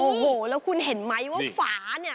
โอ้โหแล้วคุณเห็นไหมว่าฝาเนี่ย